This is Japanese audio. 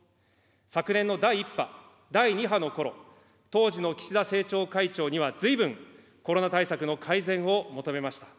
昨年の第１波、第２波のころ、当時の岸田政調会長にはずいぶん、コロナ対策の改善を求めました。